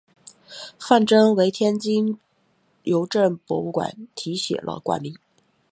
范曾为天津邮政博物馆题写了馆名。